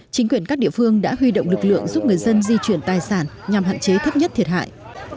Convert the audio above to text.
chính quyền các địa phương đã huy động lực lượng giúp người dân di chuyển tài sản nhằm hạn chế thấp nhất thiệt hại